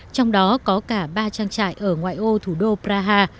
trong đó có cả ba trang trại ở ngoại ô thủ đô praha